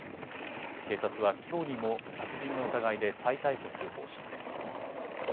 警察はきょうにも殺人の疑いで再逮捕する方針です。